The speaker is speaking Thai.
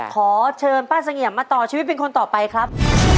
ขอเชิญป้าเสงี่ยมมาต่อชีวิตเป็นคนต่อไปครับ